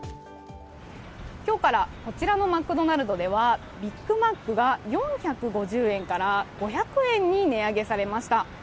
今日からこちらのマクドナルドではビッグマックが４５０円から５００円に値上げされました。